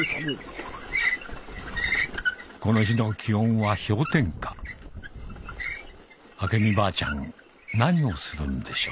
この日の気温は氷点下明美ばあちゃん何をするんでしょう？